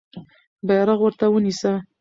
بیرغ ورته ونیسه.